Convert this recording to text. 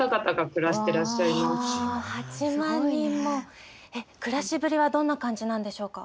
暮らしぶりはどんな感じなんでしょうか？